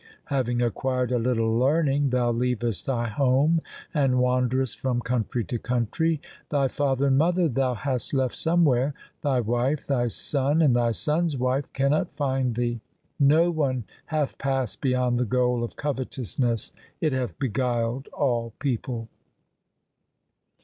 Having acquired a little learning thou leavest thy home and wanderest from country to country. Thy father and mother thou hast left somewhere ; thy wife, thy son, and thy son's wife cannot find thee. No one hath passed beyond the goal of covetousness ; it hath beguiled all people.